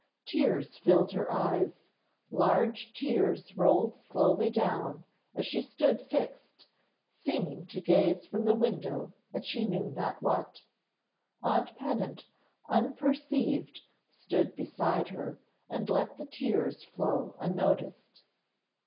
Tears filled her eyes, large tears rolled slowly down as she stood fixed, seeming to gaze from that window at she knew not what. Aunt Pennant unperceived stood beside her, and let the tears flow unnoticed.